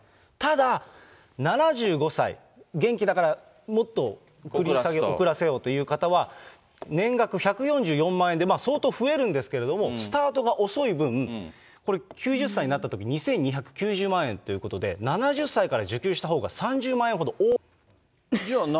ただ、７５歳、元気だからもっと遅らせようという方は、年額１４４万円で、相当増えるんですけれども、スタートが遅い分、これ、９０歳になったとき、２２９０万円ということで、７０歳から受給したほうが３０万円ほど多いんですよ。